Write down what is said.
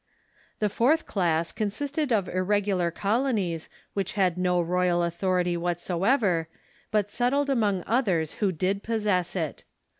Tiie fourth class consisted of irregular colo nies, Avhich had no royal authority Avhatever, but settled among others who did possess it.